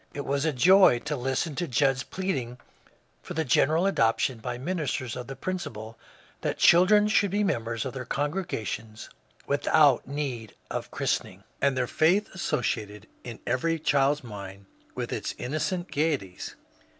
It was a joy to listen to Judd's pleading for the general adoption by min isters of the principle that children should be members of their congregations without need of christening, and their faith associated in every child's mind with its innocent gaie ties.